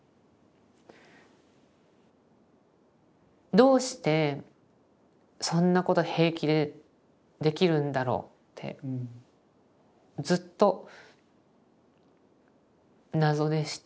どうしてそんなこと平気でできるんだろうってずっと謎でして。